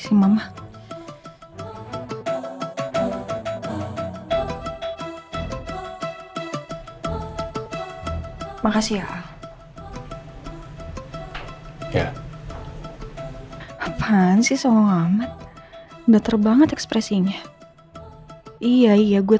sama sama makasih ya ya apaan sih selama amat dater banget ekspresinya iya iya gue